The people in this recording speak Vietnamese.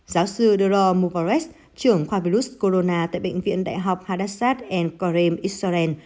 giáo sư doro mubarek trưởng khoa virus corona tại bệnh viện đại học hadassat korem israel